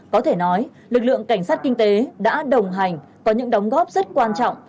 có thể nói lực lượng cảnh sát kinh tế đã đồng hành có những đóng góp rất quan trọng